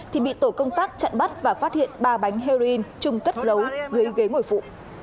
thì bị tổ công tác chặn bắt và phát hiện ba bánh heroin chung cất dấu dưới ghế ngồi phụ